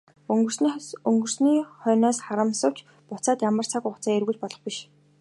Өнгөрсний хойноос харамсавч буцаад ямар цаг хугацааг эргүүлж болох биш.